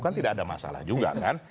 kan tidak ada masalah juga kan